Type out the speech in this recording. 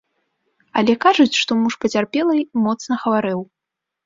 Але кажуць, што муж пацярпелай моцна хварэў.